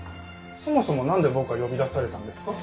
そもそもなんで僕は呼び出されたんですか？